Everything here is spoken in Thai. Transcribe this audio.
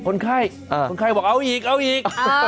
คนไข้คนไข้บอกเอาอีกเอาอีก